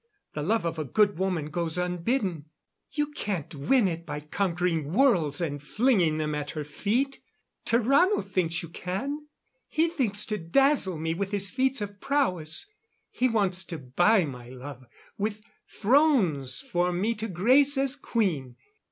The love of a good woman goes unbidden. You can't win it by conquering worlds and flinging them at her feet. Tarrano thinks you can. He thinks to dazzle me with his feats of prowess. He wants to buy my love with thrones for me to grace as queen.